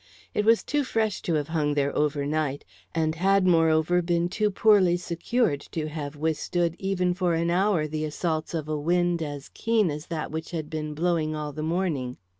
It was too fresh to have hung there overnight, and had, moreover, been too poorly secured to have withstood even for an hour the assaults of a wind as keen as that which had been blowing all the morning.